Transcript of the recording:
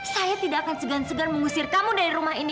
saya tidak akan segan segan mengusir kamu dari rumah ini